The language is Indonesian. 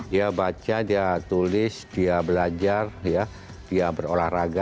dia baca dia tulis dia belajar dia berolahraga